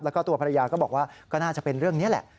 แล้วก็ตัวภรรยาก็บอกว่าก็น่าจะเป็นเรื่องนี้แหละ